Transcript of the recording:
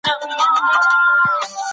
سرتیری د وطن لپاره سر ورکوي.